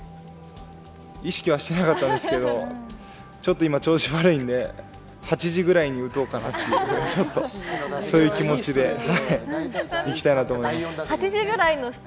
意識はしてなかったんですけど、ちょっと今、調子悪いので８時くらいに打とうかなと、そういう気持ちでいきたいなと思います。